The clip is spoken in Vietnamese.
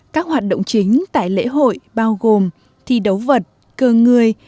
các hoạt động chính tại lễ hội bao gồm thi đấu vật cơ người